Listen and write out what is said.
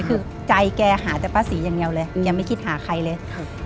คือใจแกหาแต่ป้าศรีอย่างเดียวเลยยังไม่คิดหาใครเลย